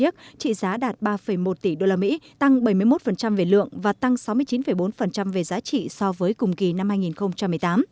trị giá đạt ba một tỷ usd tăng bảy mươi một về lượng và tăng sáu mươi chín bốn về giá trị so với cùng kỳ năm hai nghìn một mươi tám